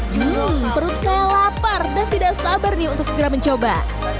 hmm perut saya lapar dan tidak sabar nih untuk segera mencoba